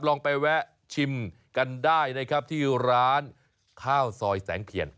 ลองไปแวะชิมกันได้นะครับที่ร้านข้าวซอยแสงเพียน